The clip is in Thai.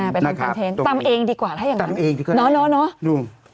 ไปทำคอนเทนต์ตำเองดีกว่าถ้าอย่างนั้นเนอะ